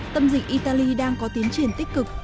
tâm dịch italy đang có tiến triển tích cực